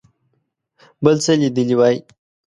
بل څه لیدلي وای.